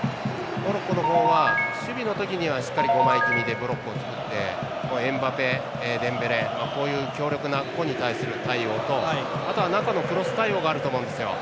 モロッコの方は守備の時には５枚気味でブロックを作ってエムバペ、デンベレこういう強力な個に対する対応と中のクロス対応があると思うんです。